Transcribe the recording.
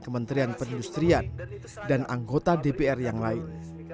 kementerian perindustrian dan anggota dpr yang lain